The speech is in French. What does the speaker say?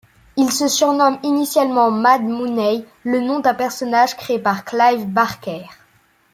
Il se surnomme initialement Mad Mooney, le nom d'un personnage créé par Clive Barker.